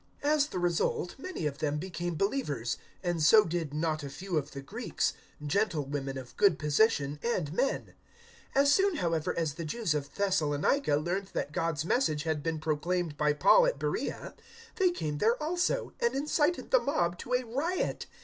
017:012 As the result many of them became believers, and so did not a few of the Greeks gentlewomen of good position, and men. 017:013 As soon, however, as the Jews of Thessalonica learnt that God's Message had been proclaimed by Paul at Beroea, they came there also, and incited the mob to a riot.